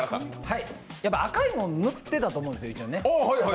赤いもの塗ってたと思うんですよ、一応ね。